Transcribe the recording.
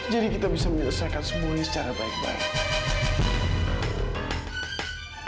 jadi kita bisa menyelesaikan semuanya secara baik baik